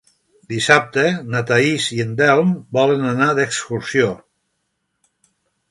Dissabte na Thaís i en Telm volen anar d'excursió.